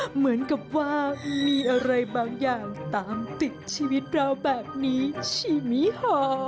เหมือนกับว่ามีอะไรบางอย่างตามติดชีวิตเราแบบนี้ชิมิห่อ